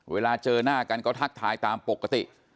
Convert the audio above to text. เวลาเจอหน้ากันก็ทักทายตามปกติ